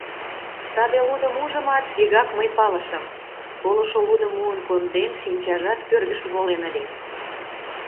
Саде лудым ужымат, вигак мый палышым: колышо лудым муын конден, шинчажат кӧргыш волен ыле...